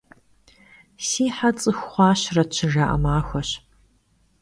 «Si he ts'ıxu xhuaşeret!» – şıjja'e maxueş.